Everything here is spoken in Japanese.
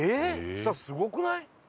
そしたらすごくない？